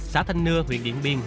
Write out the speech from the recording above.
xã thanh nưa huyện điện biên